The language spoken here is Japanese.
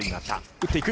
打っていく。